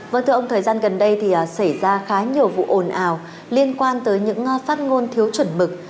vâng thưa ông thời gian gần đây thì xảy ra khá nhiều vụ ồn ào liên quan tới những phát ngôn thiếu chuẩn mực